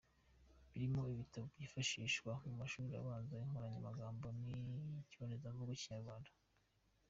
Birimo ibitabo byifashishwa mu mashuri abanza, inkoranyamagambo n’i by’ikibonezamvugo cy’ikinyarwanda.